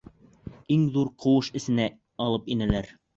Иң ҙур ҡыуыш эсенә алып инәләр.